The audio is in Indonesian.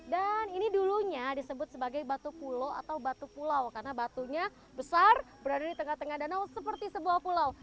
dan ini dulunya disebut sebagai batu pulau atau batu pulau karena batunya besar berada di tengah tengah danau seperti sebuah pulau